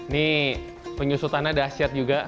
nih penyusutannya dahsyat juga